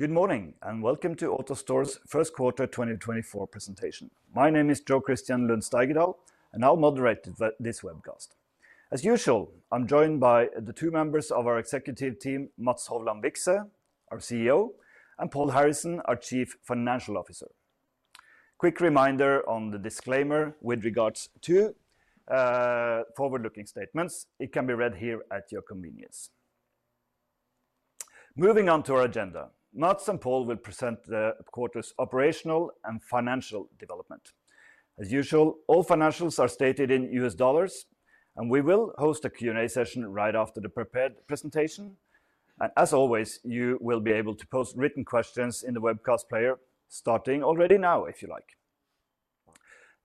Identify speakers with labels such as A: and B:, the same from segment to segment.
A: Good morning and welcome to AutoStore's first quarter 2024 presentation. My name is Jo Christian Lund-Steigedal, and I'll moderate this webcast. As usual, I'm joined by the two members of our executive team, Mats Hovland Vikse, our CEO, and Paul Harrison, our Chief Financial Officer. Quick reminder on the disclaimer with regards to forward-looking statements. It can be read here at your convenience. Moving on to our agenda, Mats and Paul will present the quarter's operational and financial development. As usual, all financials are stated in U.S. dollars, and we will host a Q&A session right after the prepared presentation. And as always, you will be able to post written questions in the webcast player, starting already now if you like.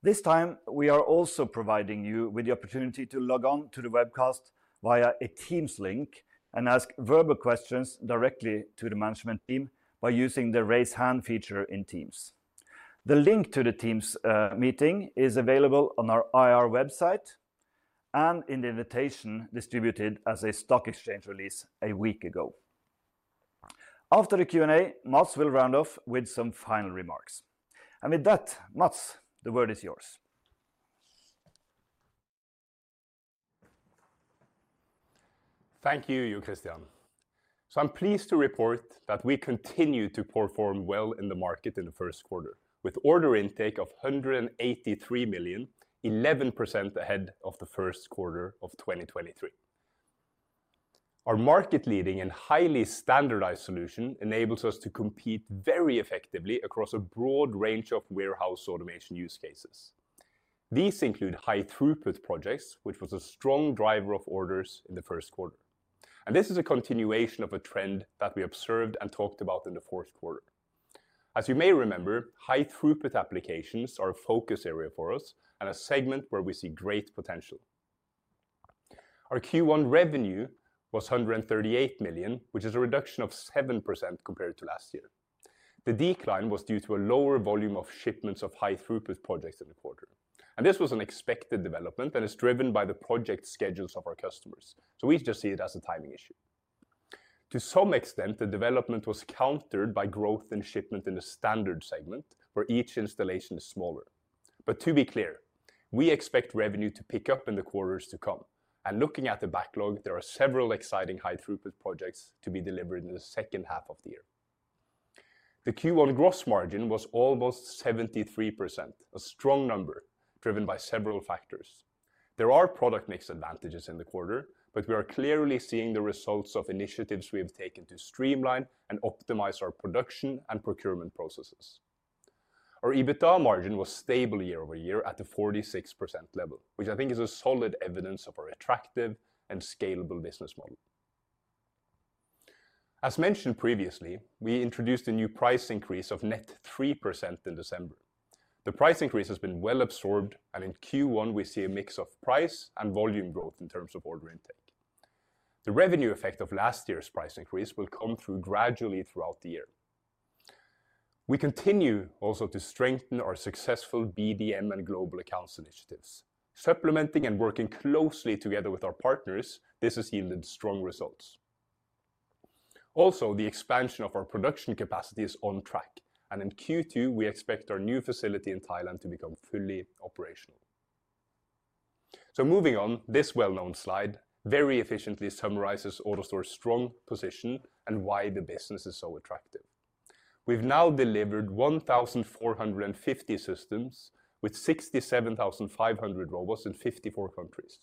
A: This time, we are also providing you with the opportunity to log on to the webcast via a Teams link and ask verbal questions directly to the management team by using the raise hand feature in Teams. The link to the Teams meeting is available on our IR website and in the invitation distributed as a stock exchange release a week ago. After the Q&A, Mats will round off with some final remarks. And with that, Mats, the word is yours.
B: Thank you, Jo Christian. So I'm pleased to report that we continue to perform well in the market in the first quarter, with order intake of $183 million, 11% ahead of the first quarter of 2023. Our market-leading and highly standardized solution enables us to compete very effectively across a broad range of warehouse automation use cases. These include high-throughput projects, which was a strong driver of orders in the first quarter. This is a continuation of a trend that we observed and talked about in the fourth quarter. As you may remember, high-throughput applications are a focus area for us and a segment where we see great potential. Our Q1 revenue was $138 million, which is a reduction of 7% compared to last year. The decline was due to a lower volume of shipments of high-throughput projects in the quarter. This was an expected development and is driven by the project schedules of our customers, so we just see it as a timing issue. To some extent, the development was countered by growth in shipment in the standard segment, where each installation is smaller. But to be clear, we expect revenue to pick up in the quarters to come. Looking at the backlog, there are several exciting high-throughput projects to be delivered in the second half of the year. The Q1 gross margin was almost 73%, a strong number driven by several factors. There are product mix advantages in the quarter, but we are clearly seeing the results of initiatives we have taken to streamline and optimize our production and procurement processes. Our EBITDA margin was stable year-over-year at the 46% level, which I think is solid evidence of our attractive and scalable business model. As mentioned previously, we introduced a new price increase of net 3% in December. The price increase has been well absorbed, and in Q1 we see a mix of price and volume growth in terms of order intake. The revenue effect of last year's price increase will come through gradually throughout the year. We continue also to strengthen our successful BDM and global accounts initiatives. Supplementing and working closely together with our partners, this has yielded strong results. Also, the expansion of our production capacity is on track, and in Q2 we expect our new facility in Thailand to become fully operational. So moving on, this well-known slide very efficiently summarizes AutoStore's strong position and why the business is so attractive. We've now delivered 1,450 systems with 67,500 robots in 54 countries.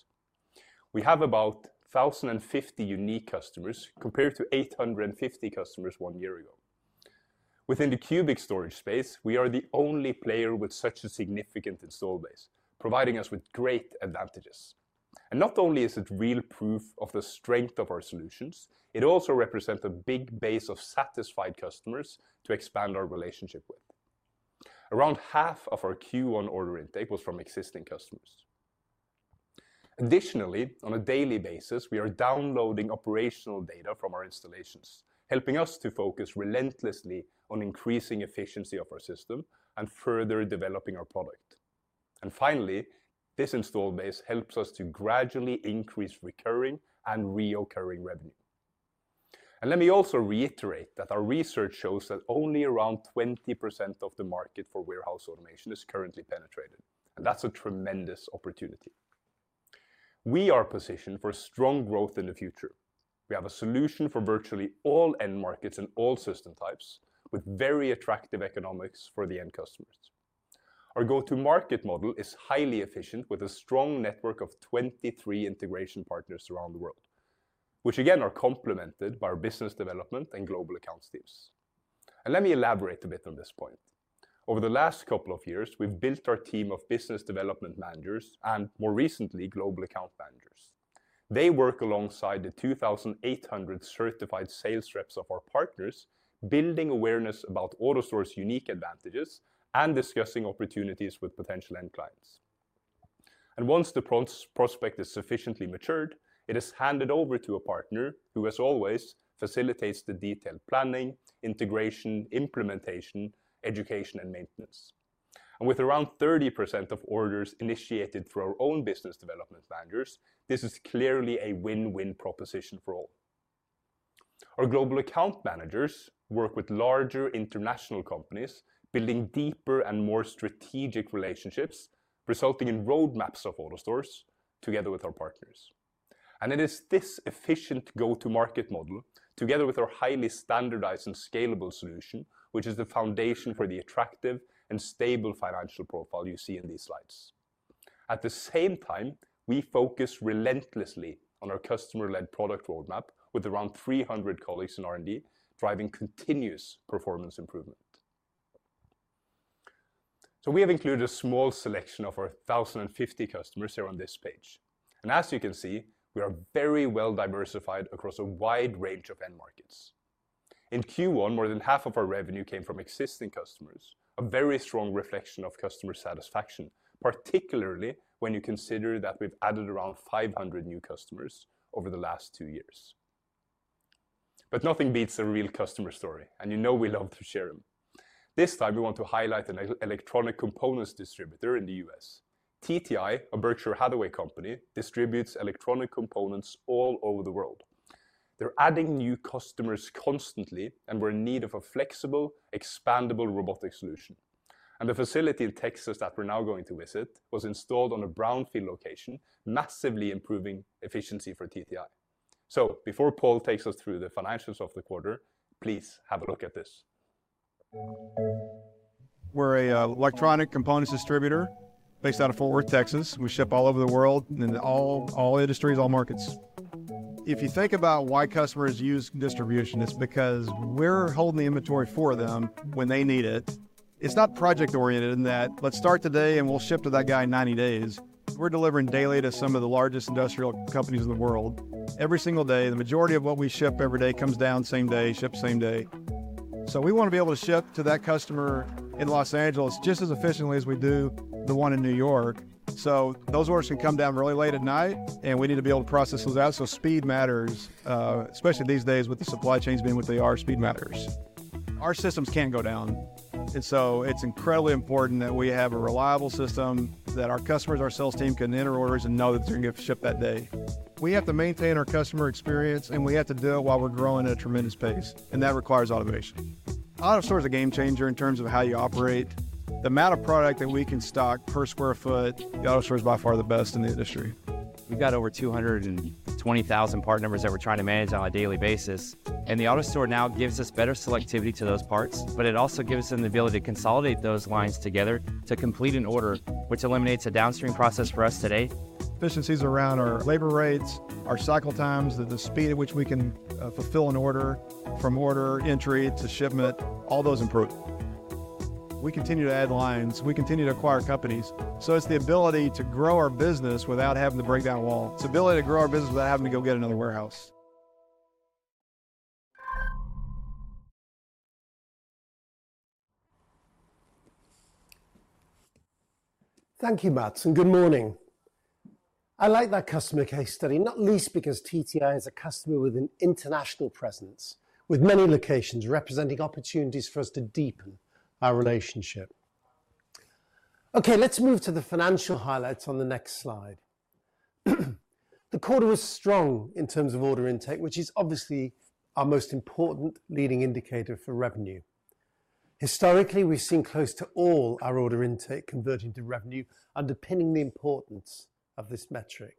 B: We have about 1,050 unique customers compared to 850 customers one year ago. Within the cubic storage space, we are the only player with such a significant install base, providing us with great advantages. Not only is it real proof of the strength of our solutions, it also represents a big base of satisfied customers to expand our relationship with. Around half of our Q1 order intake was from existing customers. Additionally, on a daily basis, we are downloading operational data from our installations, helping us to focus relentlessly on increasing efficiency of our system and further developing our product. Finally, this install base helps us to gradually increase recurring and reoccurring revenue. Let me also reiterate that our research shows that only around 20% of the market for warehouse automation is currently penetrated. That's a tremendous opportunity. We are positioned for strong growth in the future. We have a solution for virtually all end markets and all system types, with very attractive economics for the end customers. Our go-to-market model is highly efficient with a strong network of 23 integration partners around the world, which again are complemented by our business development and global accounts teams. Let me elaborate a bit on this point. Over the last couple of years, we've built our team of business development managers and, more recently, global account managers. They work alongside the 2,800 certified sales reps of our partners, building awareness about AutoStore's unique advantages and discussing opportunities with potential end clients. Once the prospect is sufficiently matured, it is handed over to a partner who, as always, facilitates the detailed planning, integration, implementation, education, and maintenance. With around 30% of orders initiated through our own business development managers, this is clearly a win-win proposition for all. Our global account managers work with larger international companies, building deeper and more strategic relationships, resulting in roadmaps of AutoStore's together with our partners. It is this efficient go-to-market model, together with our highly standardized and scalable solution, which is the foundation for the attractive and stable financial profile you see in these slides. At the same time, we focus relentlessly on our customer-led product roadmap, with around 300 colleagues in R&D driving continuous performance improvement. We have included a small selection of our 1,050 customers here on this page. As you can see, we are very well diversified across a wide range of end markets. In Q1, more than half of our revenue came from existing customers, a very strong reflection of customer satisfaction, particularly when you consider that we've added around 500 new customers over the last two years. But nothing beats a real customer story, and you know we love to share them. This time, we want to highlight an electronic components distributor in the U.S. TTI, a Berkshire Hathaway company, distributes electronic components all over the world. They're adding new customers constantly and were in need of a flexible, expandable robotic solution. The facility in Texas that we're now going to visit was installed on a brownfield location, massively improving efficiency for TTI. Before Paul takes us through the financials of the quarter, please have a look at this.
C: We're an electronic components distributor based out of Fort Worth, Texas. We ship all over the world in all industries, all markets. If you think about why customers use distribution, it's because we're holding the inventory for them when they need it. It's not project-oriented in that, "Let's start today and we'll ship to that guy in 90 days." We're delivering daily to some of the largest industrial companies in the world. Every single day, the majority of what we ship every day comes down same day, ships same day. So we want to be able to ship to that customer in Los Angeles just as efficiently as we do the one in New York. So those orders can come down really late at night, and we need to be able to process those out. So speed matters, especially these days with the supply chains being what they are. Speed matters. Our systems can't go down. And so it's incredibly important that we have a reliable system, that our customers, our sales team can enter orders and know that they're going to get shipped that day. We have to maintain our customer experience, and we have to do it while we're growing at a tremendous pace. And that requires automation. AutoStore is a game changer in terms of how you operate. The amount of product that we can stock per square feet, the AutoStore is by far the best in the industry. We've got over 220,000 part numbers that we're trying to manage on a daily basis. The AutoStore now gives us better selectivity to those parts, but it also gives us an ability to consolidate those lines together to complete an order, which eliminates a downstream process for us today. Efficiencies around our labor rates, our cycle times, the speed at which we can fulfill an order, from order entry to shipment, all those improve. We continue to add lines. We continue to acquire companies. So it's the ability to grow our business without having to break down a wall. It's the ability to grow our business without having to go get another warehouse.
D: Thank you, Mats, and good morning. I like that customer case study, not least because TTI is a customer with an international presence, with many locations representing opportunities for us to deepen our relationship. Okay, let's move to the financial highlights on the next slide. The quarter was strong in terms of order intake, which is obviously our most important leading indicator for revenue. Historically, we've seen close to all our order intake converting to revenue, underpinning the importance of this metric.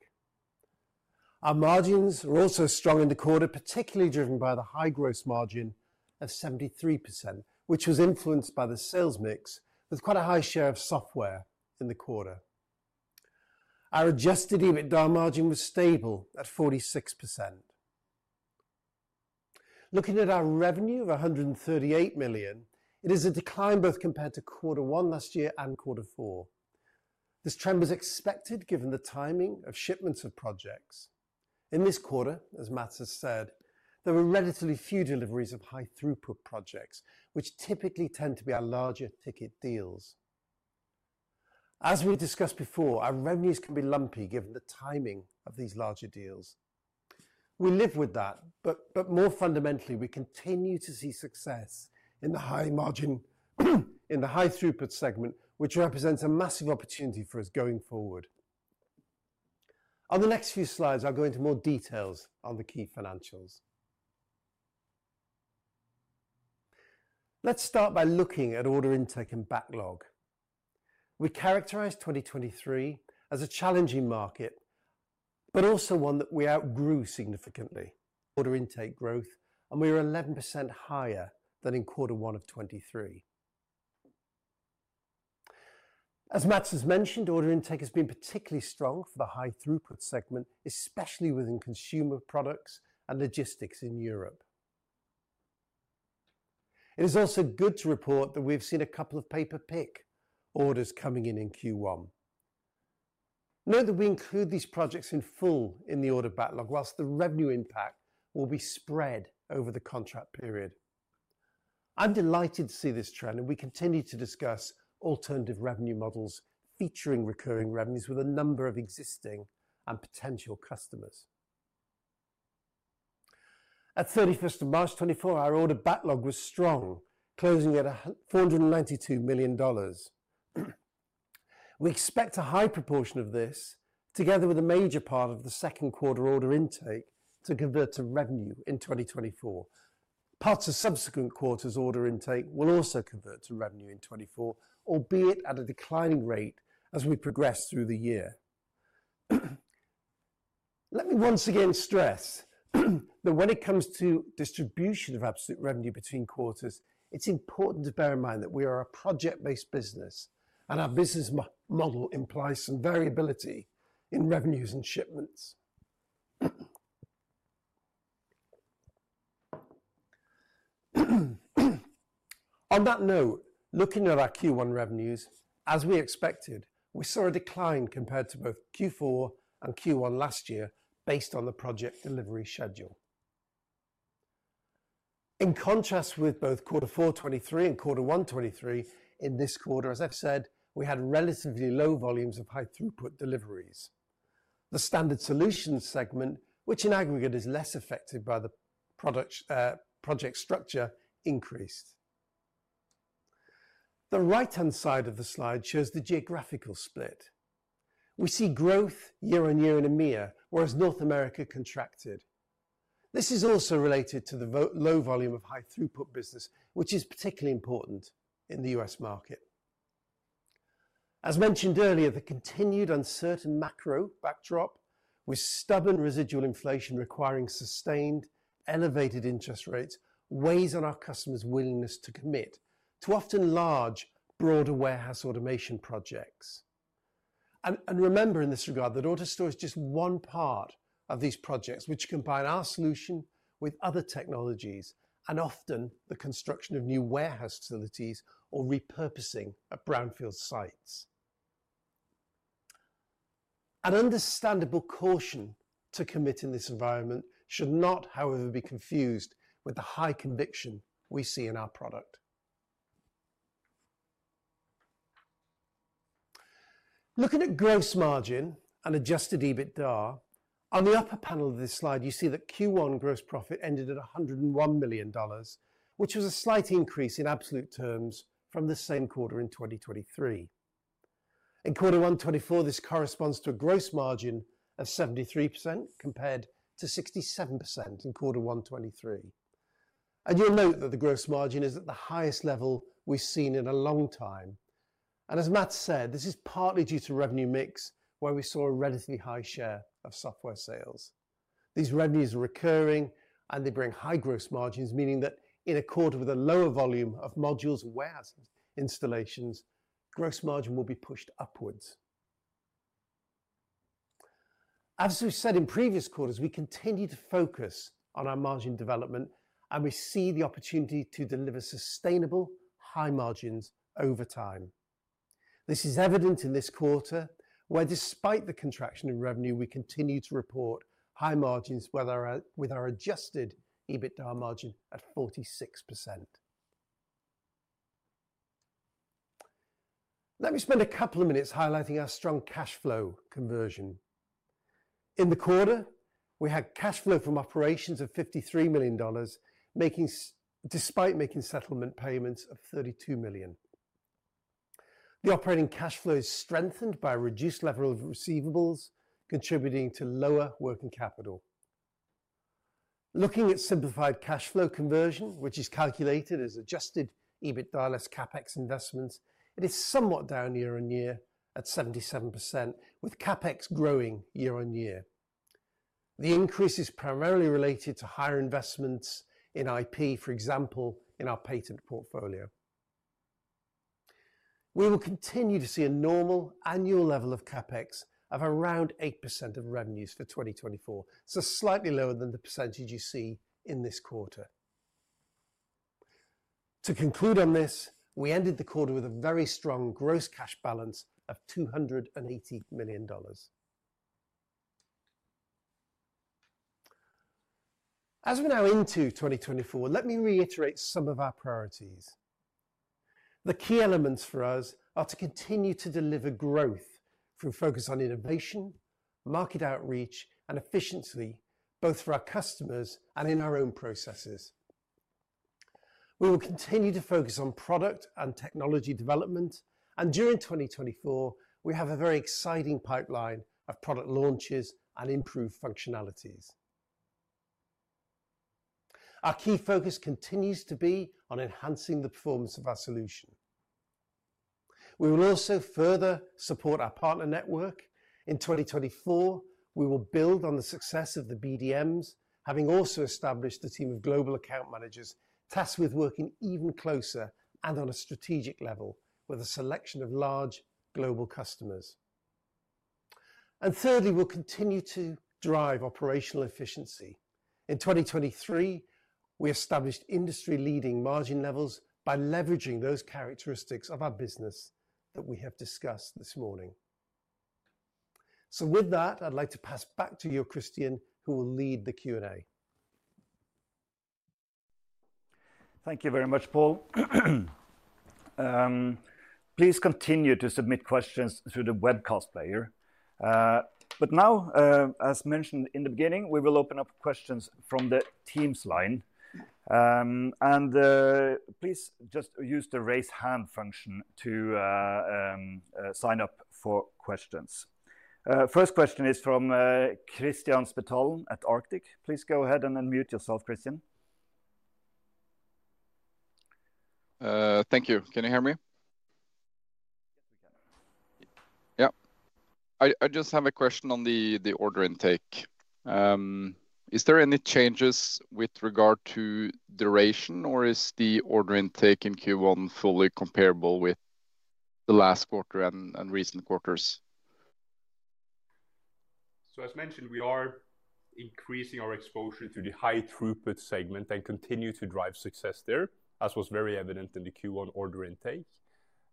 D: Our margins were also strong in the quarter, particularly driven by the high gross margin of 73%, which was influenced by the sales mix, with quite a high share of software in the quarter. Our adjusted EBITDA margin was stable at 46%. Looking at our revenue of $138 million, it is a decline both compared to quarter one last year and quarter four. This trend was expected given the timing of shipments of projects. In this quarter, as Mats has said, there were relatively few deliveries of high-throughput projects, which typically tend to be our larger ticket deals. As we discussed before, our revenues can be lumpy given the timing of these larger deals. We live with that, but more fundamentally, we continue to see success in the high-throughput segment, which represents a massive opportunity for us going forward. On the next few slides, I'll go into more details on the key financials. Let's start by looking at order intake and backlog. We characterize 2023 as a challenging market, but also one that we outgrew significantly. Order intake growth, and we were 11% higher than in quarter one of 2023. As Mats has mentioned, order intake has been particularly strong for the high-throughput segment, especially within consumer products and logistics in Europe. It is also good to report that we've seen a couple of Pay-per-Pick orders coming in in Q1. Note that we include these projects in full in the order backlog, while the revenue impact will be spread over the contract period. I'm delighted to see this trend, and we continue to discuss alternative revenue models featuring recurring revenues with a number of existing and potential customers. At 31st of March 2024, our order backlog was strong, closing at $492 million. We expect a high proportion of this, together with a major part of the second quarter order intake, to convert to revenue in 2024. Parts of subsequent quarters' order intake will also convert to revenue in 2024, albeit at a declining rate as we progress through the year. Let me once again stress that when it comes to distribution of absolute revenue between quarters, it's important to bear in mind that we are a project-based business, and our business model implies some variability in revenues and shipments. On that note, looking at our Q1 revenues, as we expected, we saw a decline compared to both Q4 and Q1 last year based on the project delivery schedule. In contrast with both quarter four 2023 and quarter one 2023, in this quarter, as I've said, we had relatively low volumes of high-throughput deliveries. The standard solutions segment, which in aggregate is less affected by the project structure, increased. The right-hand side of the slide shows the geographical split. We see growth year-on-year in EMEA, whereas North America contracted. This is also related to the low volume of high-throughput business, which is particularly important in the U.S. market. As mentioned earlier, the continued uncertain macro backdrop with stubborn residual inflation requiring sustained, elevated interest rates weighs on our customers' willingness to commit to often large, broader warehouse automation projects. Remember in this regard that AutoStore is just one part of these projects, which combine our solution with other technologies and often the construction of new warehouse facilities or repurposing at Brownfield sites. An understandable caution to commit in this environment should not, however, be confused with the high conviction we see in our product. Looking at gross margin and adjusted EBITDA, on the upper panel of this slide, you see that Q1 gross profit ended at $101 million, which was a slight increase in absolute terms from the same quarter in 2023. In quarter one 2024, this corresponds to a gross margin of 73% compared to 67% in quarter one 2023. You'll note that the gross margin is at the highest level we've seen in a long time. As Mats said, this is partly due to revenue mix, where we saw a relatively high share of software sales. These revenues are recurring, and they bring high gross margins, meaning that in a quarter with a lower volume of modules and warehouse installations, gross margin will be pushed upwards. As we've said in previous quarters, we continue to focus on our margin development, and we see the opportunity to deliver sustainable, high margins over time. This is evident in this quarter, where despite the contraction in revenue, we continue to report high margins with our adjusted EBITDA margin at 46%. Let me spend a couple of minutes highlighting our strong cash flow conversion. In the quarter, we had cash flow from operations of $53 million, despite making settlement payments of $32 million. The operating cash flow is strengthened by a reduced level of receivables, contributing to lower working capital. Looking at simplified cash flow conversion, which is calculated as adjusted EBITDA less CapEx investments, it is somewhat down year-on-year at 77%, with CapEx growing year-on-year. The increase is primarily related to higher investments in IP, for example, in our patent portfolio. We will continue to see a normal annual level of CapEx of around 8% of revenues for 2024. It's slightly lower than the percentage you see in this quarter. To conclude on this, we ended the quarter with a very strong gross cash balance of $280 million. As we're now into 2024, let me reiterate some of our priorities. The key elements for us are to continue to deliver growth through focus on innovation, market outreach, and efficiency, both for our customers and in our own processes. We will continue to focus on product and technology development, and during 2024, we have a very exciting pipeline of product launches and improved functionalities. Our key focus continues to be on enhancing the performance of our solution. We will also further support our partner network. In 2024, we will build on the success of the BDMs, having also established a team of global account managers tasked with working even closer and on a strategic level with a selection of large global customers. And thirdly, we'll continue to drive operational efficiency. In 2023, we established industry-leading margin levels by leveraging those characteristics of our business that we have discussed this morning. With that, I'd like to pass back to you, Christian, who will lead the Q&A.
A: Thank you very much, Paul. Please continue to submit questions through the webcast player. Now, as mentioned in the beginning, we will open up questions from the Teams line. Please just use the raise hand function to sign up for questions. First question is from Kristian Spetalen at Arctic. Please go ahead and unmute yourself, Kristian.
E: Thank you. Can you hear me?
A: Yes, we can.
E: Yeah. I just have a question on the order intake. Is there any changes with regard to duration, or is the order intake in Q1 fully comparable with the last quarter and recent quarters?
B: As mentioned, we are increasing our exposure to the high-throughput segment and continue to drive success there, as was very evident in the Q1 order intake.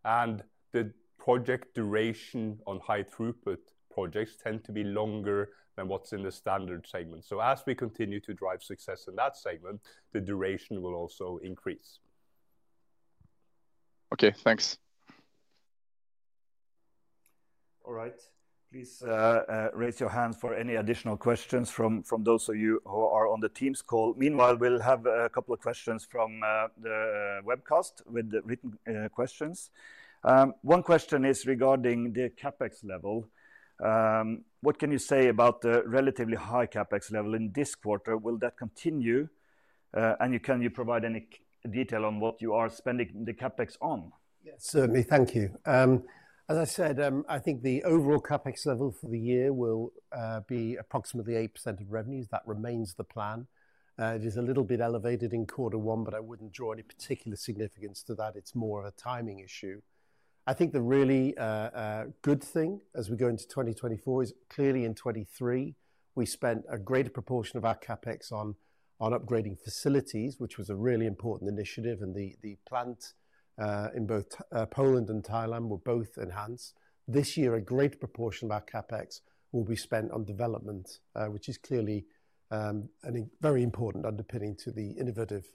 B: The project duration on high-throughput projects tends to be longer than what's in the standard segment. As we continue to drive success in that segment, the duration will also increase.
E: Okay, thanks.
A: All right. Please raise your hands for any additional questions from those of you who are on the Teams call. Meanwhile, we'll have a couple of questions from the webcast with written questions. One question is regarding the CapEx level. What can you say about the relatively high CapEx level in this quarter? Will that continue? And can you provide any detail on what you are spending the CapEx on?
D: Yeah, certainly. Thank you. As I said, I think the overall CapEx level for the year will be approximately 8% of revenues. That remains the plan. It is a little bit elevated in quarter one, but I wouldn't draw any particular significance to that. It's more of a timing issue. I think the really good thing as we go into 2024 is clearly in 2023, we spent a greater proportion of our CapEx on upgrading facilities, which was a really important initiative. And the plants in both Poland and Thailand were both enhanced. This year, a greater proportion of our CapEx will be spent on development, which is clearly very important underpinning to the innovative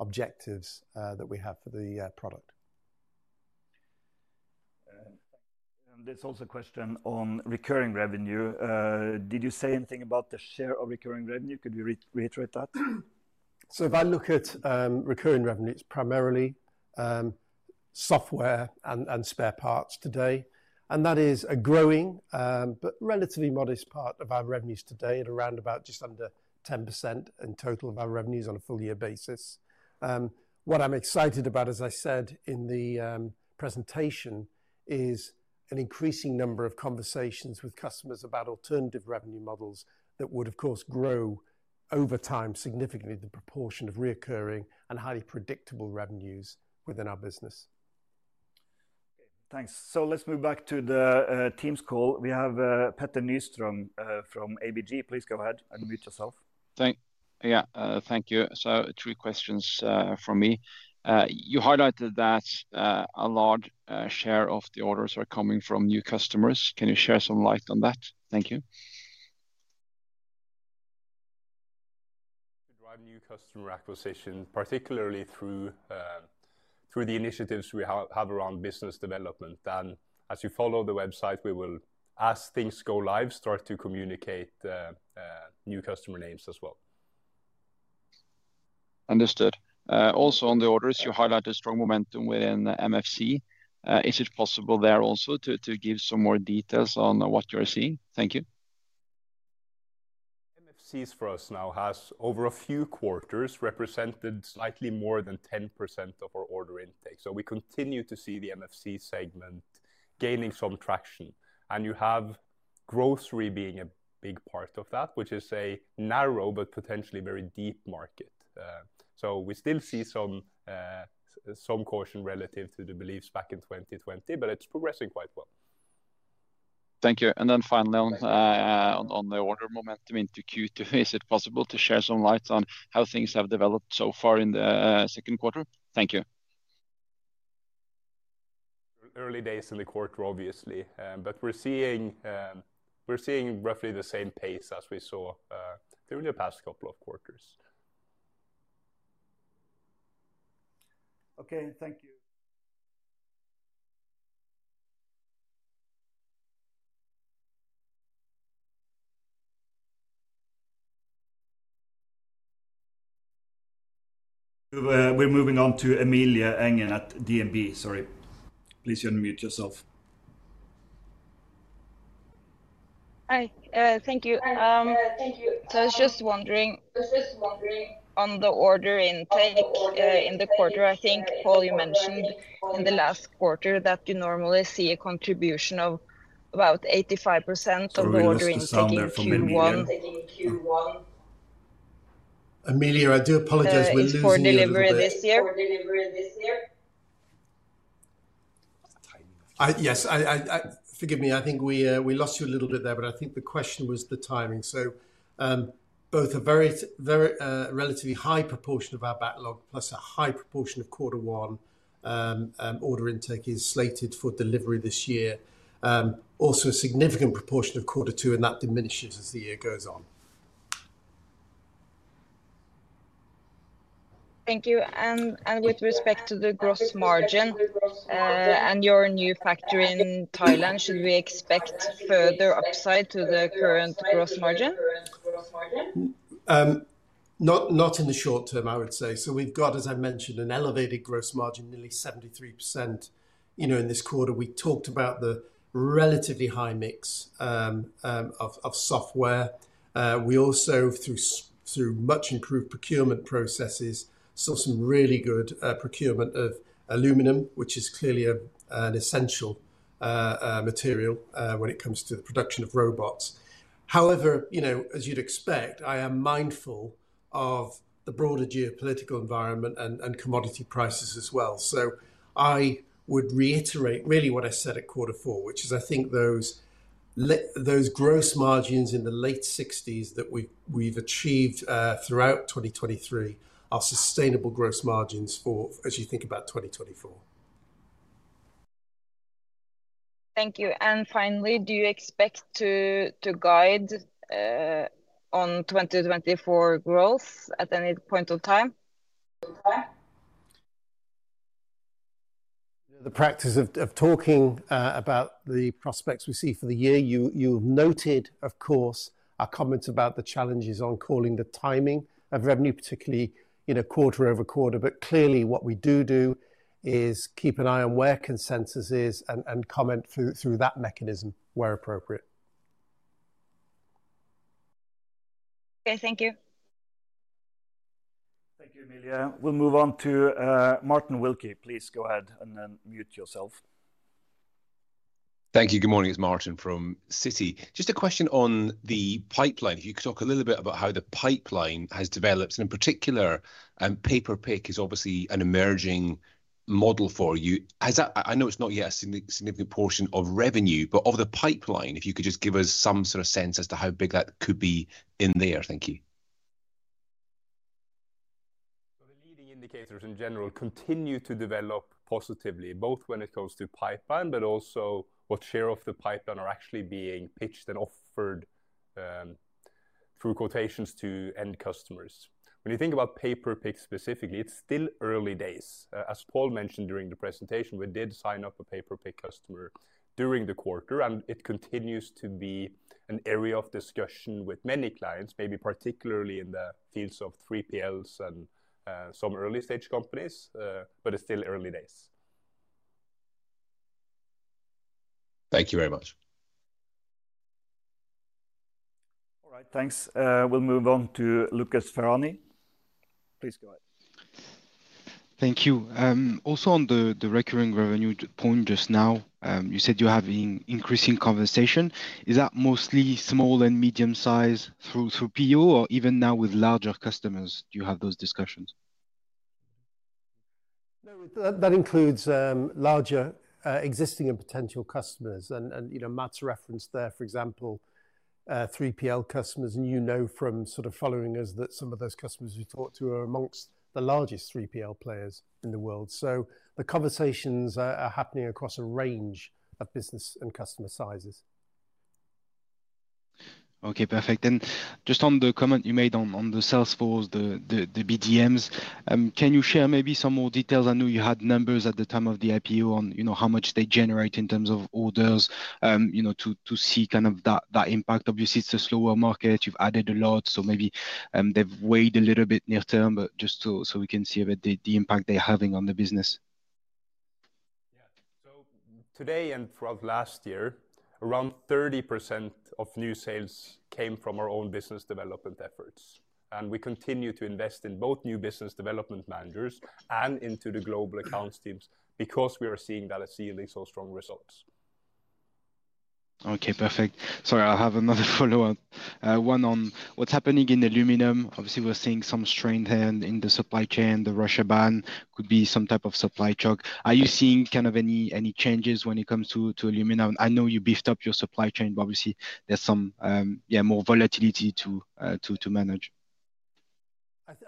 D: objectives that we have for the product.
A: There's also a question on recurring revenue. Did you say anything about the share of recurring revenue? Could you reiterate that?
D: So if I look at recurring revenue, it's primarily software and spare parts today. That is a growing but relatively modest part of our revenues today at around about just under 10% in total of our revenues on a full-year basis. What I'm excited about, as I said in the presentation, is an increasing number of conversations with customers about alternative revenue models that would, of course, grow over time significantly, the proportion of recurring and highly predictable revenues within our business.
A: Okay, thanks. Let's move back to the Teams call. We have Petter Nyström from ABG. Please go ahead and mute yourself.
F: Thank you. So two questions from me. You highlighted that a large share of the orders are coming from new customers. Can you share some light on that? Thank you.
B: To drive new customer acquisition, particularly through the initiatives we have around business development. As you follow the website, we will, as things go live, start to communicate new customer names as well.
A: Understood. Also on the orders, you highlighted strong momentum within MFC. Is it possible there also to give some more details on what you are seeing? Thank you.
B: MFCs for us now has over a few quarters represented slightly more than 10% of our order intake. So we continue to see the MFC segment gaining some traction. And you have grocery being a big part of that, which is a narrow but potentially very deep market. So we still see some caution relative to the beliefs back in 2020, but it's progressing quite well.
A: Thank you. Then finally, on the order momentum into Q2, is it possible to shed some light on how things have developed so far in the second quarter? Thank you.
B: Early days in the quarter, obviously. But we're seeing roughly the same pace as we saw during the past couple of quarters.
A: Okay, thank you. We're moving on to Emilie Engen at DNB. Sorry. Please unmute yourself.
G: Hi. Thank you. So I was just wondering on the order intake in the quarter. I think, Paul, you mentioned in the last quarter that you normally see a contribution of about 85% of the order intake in Q1.
A: Emilie, I do apologize. We're losing you.
G: For delivery this year?
A: Yes. Forgive me. I think we lost you a little bit there, but I think the question was the timing. So both a relatively high proportion of our backlog plus a high proportion of quarter one order intake is slated for delivery this year, also a significant proportion of quarter two, and that diminishes as the year goes on.
G: Thank you. With respect to the gross margin and your new factory in Thailand, should we expect further upside to the current gross margin?
D: Not in the short term, I would say. So we've got, as I mentioned, an elevated gross margin, nearly 73% in this quarter. We talked about the relatively high mix of software. We also, through much improved procurement processes, saw some really good procurement of aluminum, which is clearly an essential material when it comes to the production of robots. However, as you'd expect, I am mindful of the broader geopolitical environment and commodity prices as well. So I would reiterate really what I said at quarter four, which is I think those gross margins in the late 60s% that we've achieved throughout 2023 are sustainable gross margins as you think about 2024.
G: Thank you. Finally, do you expect to guide on 2024 growth at any point of time?
D: The practice of talking about the prospects we see for the year, you noted, of course, our comments about the challenges on calling the timing of revenue, particularly quarter-over-quarter. But clearly, what we do do is keep an eye on where consensus is and comment through that mechanism where appropriate.
G: Okay, thank you.
A: Thank you, Emilie. We'll move on to Martin Wilkie. Please go ahead and unmute yourself.
H: Thank you. Good morning. It's Martin from Citi. Just a question on the pipeline. If you could talk a little bit about how the pipeline has developed. And in particular, Pay-per-Pick is obviously an emerging model for you. I know it's not yet a significant portion of revenue, but of the pipeline, if you could just give us some sort of sense as to how big that could be in there. Thank you.
B: So the leading indicators in general continue to develop positively, both when it comes to pipeline, but also what share of the pipeline are actually being pitched and offered through quotations to end customers. When you think about Pay-per-Pick specifically, it's still early days. As Paul mentioned during the presentation, we did sign up a Pay-per-Pick customer during the quarter, and it continues to be an area of discussion with many clients, maybe particularly in the fields of 3PLs and some early-stage companies, but it's still early days.
H: Thank you very much.
A: All right, thanks. We'll move on to Lucas Ferhani. Please go ahead.
I: Thank you. Also on the recurring revenue point just now, you said you have an increasing conversation. Is that mostly small and medium-sized through PO, or even now with larger customers, do you have those discussions?
D: No, that includes larger existing and potential customers. Mats has referenced there, for example, 3PL customers. You know from sort of following us that some of those customers we talked to are among the largest 3PL players in the world. So the conversations are happening across a range of business and customer sizes.
I: Okay, perfect. And just on the comment you made on the sales force, the BDMs, can you share maybe some more details? I know you had numbers at the time of the IPO on how much they generate in terms of orders to see kind of that impact. Obviously, it's a slower market. You've added a lot. So maybe they've weighed a little bit near term, but just so we can see a bit the impact they're having on the business.
B: Yeah. So today and throughout last year, around 30% of new sales came from our own business development efforts. We continue to invest in both new business development managers and into the global accounts teams because we are seeing that they show such strong results.
I: Okay, perfect. Sorry, I'll have another follow-up. One on what's happening in aluminum. Obviously, we're seeing some strain there in the supply chain. The Russia ban could be some type of supply choke. Are you seeing kind of any changes when it comes to aluminum? I know you beefed up your supply chain, but obviously, there's some more volatility to manage.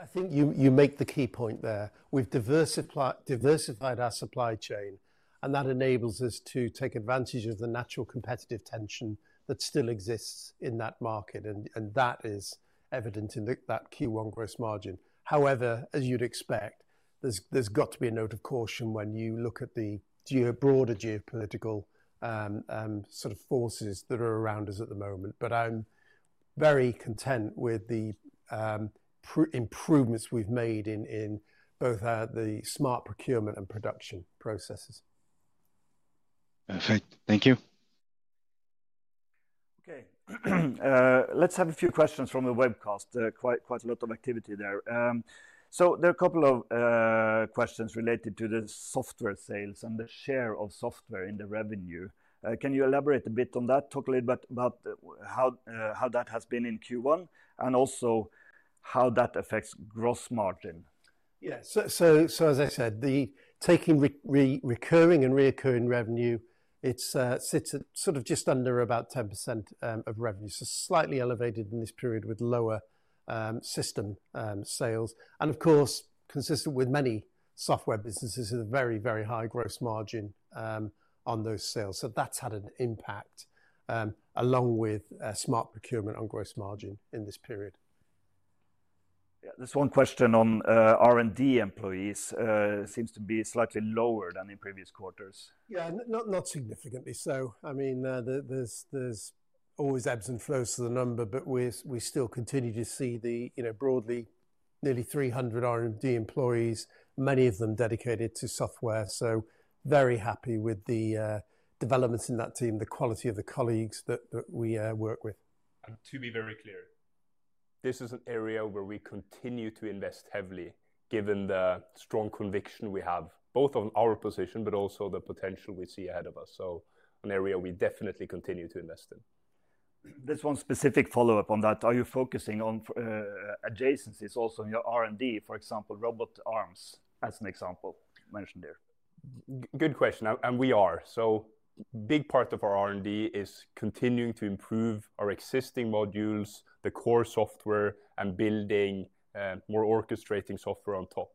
D: I think you make the key point there. We've diversified our supply chain, and that enables us to take advantage of the natural competitive tension that still exists in that market. That is evident in that Q1 gross margin. However, as you'd expect, there's got to be a note of caution when you look at the broader geopolitical sort of forces that are around us at the moment. But I'm very content with the improvements we've made in both the smart procurement and production processes.
I: Perfect. Thank you.
A: Okay. Let's have a few questions from the webcast. Quite a lot of activity there. There are a couple of questions related to the software sales and the share of software in the revenue. Can you elaborate a bit on that? Talk a little bit about how that has been in Q1 and also how that affects gross margin.
D: Yeah. So as I said, taking recurring and reoccurring revenue, it sits sort of just under about 10% of revenue. So slightly elevated in this period with lower system sales. And of course, consistent with many software businesses, it's a very, very high gross margin on those sales. So that's had an impact along with smart procurement on gross margin in this period.
A: Yeah. This one question on R&D employees seems to be slightly lower than in previous quarters.
D: Yeah, not significantly. So I mean, there's always ebbs and flows to the number, but we still continue to see broadly nearly 300 R&D employees, many of them dedicated to software. So very happy with the developments in that team, the quality of the colleagues that we work with.
B: To be very clear, this is an area where we continue to invest heavily given the strong conviction we have, both on our position but also the potential we see ahead of us. An area we definitely continue to invest in.
A: This one specific follow-up on that. Are you focusing on adjacencies also in your R&D? For example, robot arms as an example, mentioned there.
B: Good question. And we are. So a big part of our R&D is continuing to improve our existing modules, the core software, and building more orchestrating software on top.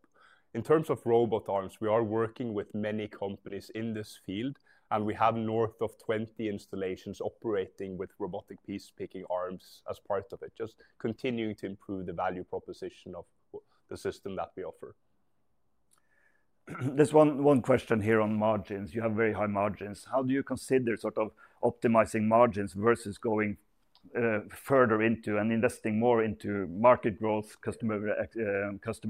B: In terms of robot arms, we are working with many companies in this field, and we have north of 20 installations operating with robotic piece-picking arms as part of it, just continuing to improve the value proposition of the system that we offer.
A: This one question here on margins. You have very high margins. How do you consider sort of optimizing margins versus going further into and investing more into market growth, customer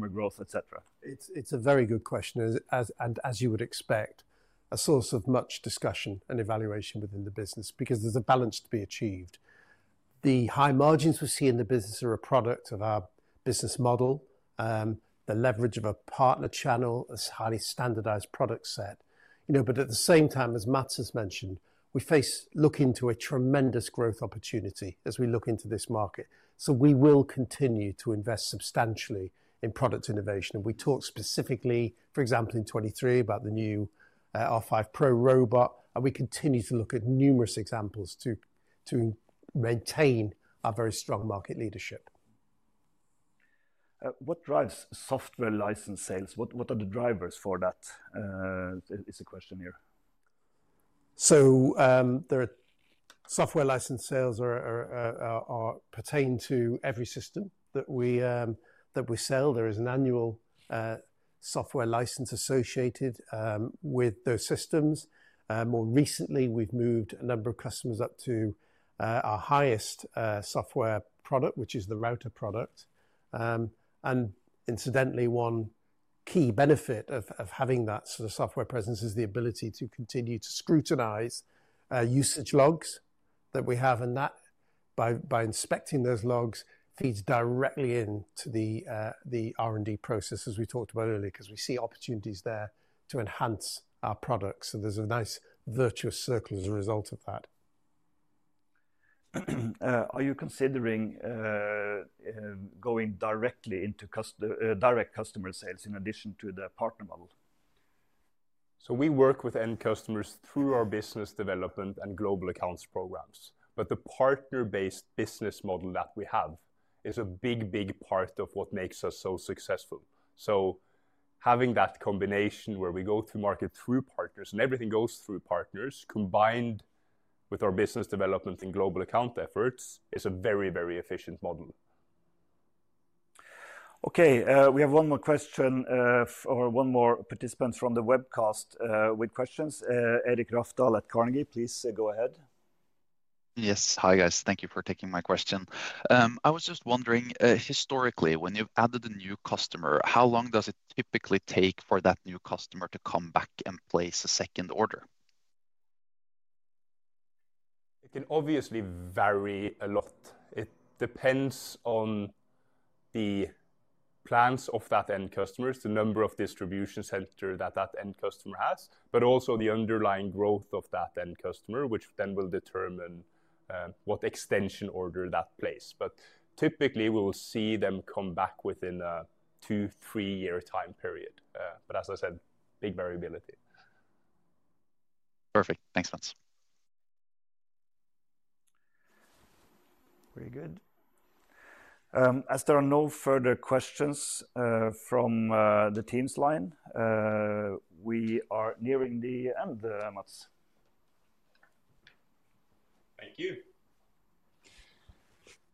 A: growth, etc.?
D: It's a very good question. As you would expect, a source of much discussion and evaluation within the business because there's a balance to be achieved. The high margins we see in the business are a product of our business model, the leverage of a partner channel, a highly standardized product set. At the same time, as Mats has mentioned, we face looking to a tremendous growth opportunity as we look into this market. We will continue to invest substantially in product innovation. We talked specifically, for example, in 2023 about the new R5 Pro robot, and we continue to look at numerous examples to maintain our very strong market leadership.
A: What drives software license sales? What are the drivers for that? That is the question here.
D: So software license sales pertain to every system that we sell. There is an annual software license associated with those systems. More recently, we've moved a number of customers up to our highest software product, which is the Router product. And incidentally, one key benefit of having that sort of software presence is the ability to continue to scrutinize usage logs that we have. And by inspecting those logs, feeds directly into the R&D process, as we talked about earlier, because we see opportunities there to enhance our products. So there's a nice virtuous circle as a result of that.
A: Are you considering going directly into direct customer sales in addition to the partner model?
B: So we work with end customers through our business development and global accounts programs. But the partner-based business model that we have is a big, big part of what makes us so successful. So having that combination where we go through market through partners and everything goes through partners, combined with our business development and global account efforts, is a very, very efficient model.
A: Okay. We have one more question or one more participant from the webcast with questions. Eirik Rafdal at Carnegie, please go ahead.
J: Yes. Hi, guys. Thank you for taking my question. I was just wondering, historically, when you've added a new customer, how long does it typically take for that new customer to come back and place a second order?
B: It can obviously vary a lot. It depends on the plans of that end customers, the number of distribution centers that that end customer has, but also the underlying growth of that end customer, which then will determine what extension order that place. But typically, we will see them come back within a 2-3-year time period. But as I said, big variability.
J: Perfect. Thanks, Mats.
A: Very good. As there are no further questions from the Teams line, we are nearing the end, Mats.
B: Thank you.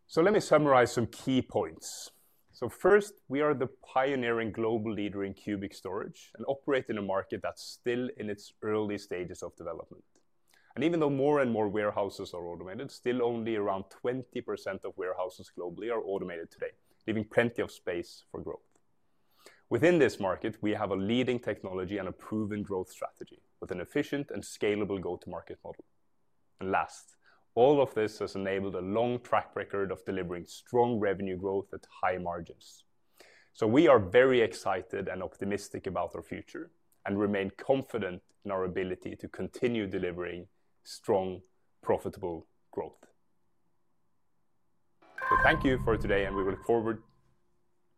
B: So let me summarize some key points. So first, we are the pioneering global leader in cubic storage and operate in a market that's still in its early stages of development. And even though more and more warehouses are automated, still only around 20% of warehouses globally are automated today, leaving plenty of space for growth. Within this market, we have a leading technology and a proven growth strategy with an efficient and scalable go-to-market model. And last, all of this has enabled a long track record of delivering strong revenue growth at high margins. So we are very excited and optimistic about our future and remain confident in our ability to continue delivering strong, profitable growth. So thank you for today, and we look forward.